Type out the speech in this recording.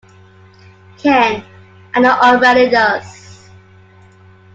Ken, I know already does.